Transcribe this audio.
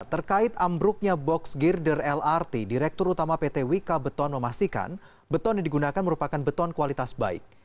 terkait ambruknya box girder lrt direktur utama pt wika beton memastikan beton yang digunakan merupakan beton kualitas baik